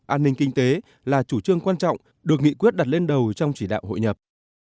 an ninh kinh tế là chủ trương quan trọng được nghị quyết đặt lên đầu trong chỉ đạo hội nhập